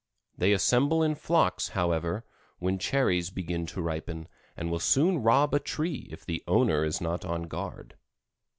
They assemble in flocks, however, when cherries begin to ripen and will soon rob a tree if the owner is not on guard.